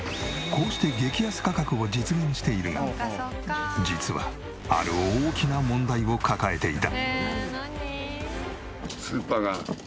こうして激安価格を実現しているが実はある大きな問題を抱えていた。